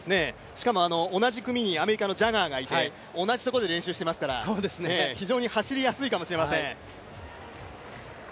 しかも同じ組にアメリカのジャガーがいて同じところで練習していますから非常に走りやすいかもしれません。